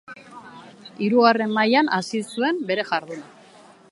Hirugarren mailan hasi zuen bere jarduna.